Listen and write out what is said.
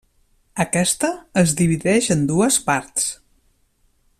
Aquesta es divideix en dues parts.